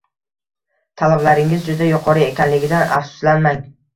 Talablaringiz juda yuqori ekanligidan afsuslanmang